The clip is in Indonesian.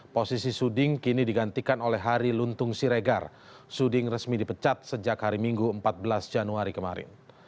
posisi suding kini digantikan oleh hari luntung siregar suding resmi dipecat sejak hari minggu empat belas januari kemarin